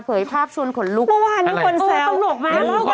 เผยภาพชวนขนลูกเมื่อวานนี้คนแซวเออต้องหลบมาก